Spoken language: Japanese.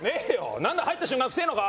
何だ入った瞬間くせえのか？